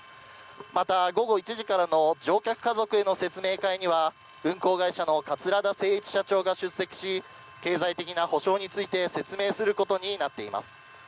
また、午後１時からの乗客家族への説明会には運航会社の桂田精一社長が出席し経済的な補償について説明することになっています。